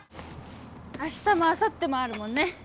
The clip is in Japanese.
明日もあさってもあるもんね。